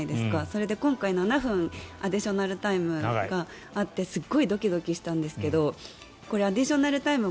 それで今回、７分アディショナルタイムがあってすごいドキドキしたんですけどアディショナルタイム